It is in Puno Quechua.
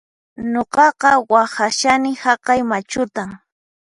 Nuqaqa waqhashani haqay machutan